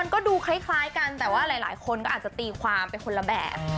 ก็ดูคล้ายกันแต่ว่าหลายคนก็อาจจะตีความไปคนละแบบ